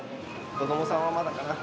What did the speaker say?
子どもさんはまだかな？